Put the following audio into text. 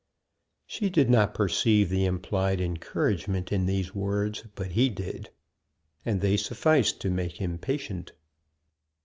'" She did not perceive the implied encouragement in these words; but he did, and they sufficed to make him patient.